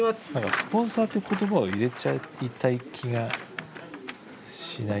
「スポンサー」って言葉を入れちゃいたい気がしない？